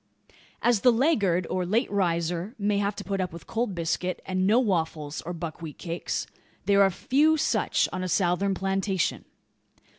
As the laggard, or late riser, may have to put up with cold biscuit, and no waffles or buckwheat cakes, there are few such on a Southern plantation.